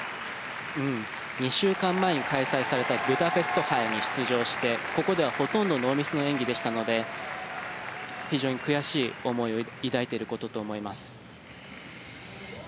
２週間前に開催されたブダペスト杯に出場してここではほとんどノーミスの演技でしたので非常に悔しい思いを抱いていることと思います。